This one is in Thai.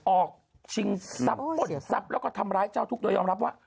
ออกชิงซับอดซับแล้วก็ทำร้ายเจ้าทุกตัวยอมรับว่า